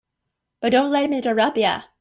But don't let him interrupt you.